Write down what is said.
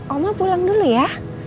oma pulang dulu ya